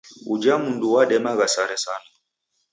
Uja mndu wademagha sare sana.